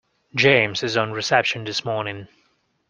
James is on reception this morning